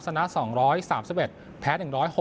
สนับ๒๓๑แพ้๑๖๙